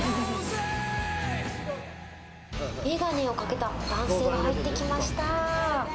眼鏡をかけた男性が入ってきました。